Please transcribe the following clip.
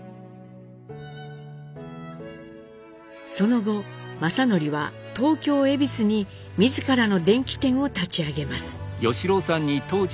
その後正徳は東京恵比寿に自らの電機店を立ち上げます。